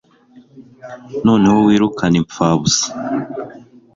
Noneho wirukane impfabusa